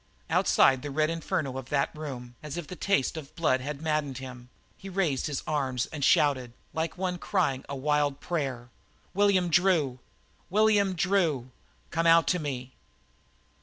Outside the red inferno of that room, as if the taste of blood had maddened him, he raised his arms and shouted, like one crying a wild prayer: "William Drew! William Drew! Come out to me!"